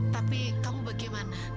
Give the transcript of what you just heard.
tapi kamu bagaimana